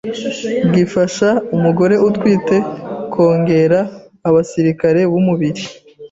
gifasha umugore utwite kongera abasirikare b’umubiri